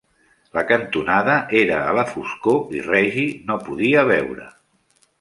La cantonada era a la foscor i Reggie no podia veure.